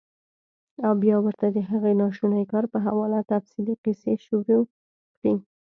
او بيا ورته د هغې ناشوني کار پۀ حواله تفصيلي قيصې شورو کړي -